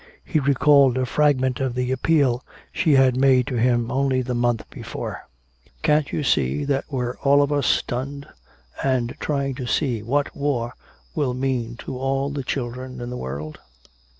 He recalled a fragment of the appeal she had made to him only the month before: "Can't you see that we're all of us stunned, and trying to see what war will mean to all the children in the world?